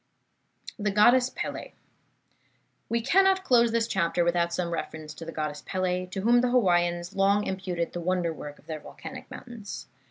THE GODDESS PELE We cannot close this chapter without some reference to the Goddess Pele, to whom the Hawaiians long imputed the wonder work of their volcanic mountains.